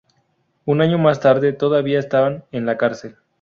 Un año más tarde, todavía están en la cárcel.